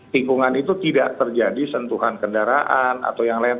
tikungan itu tidak terjadi sentuhan kendaraan atau yang lain